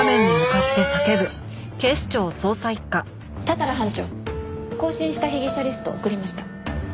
多々良班長更新した被疑者リスト送りました。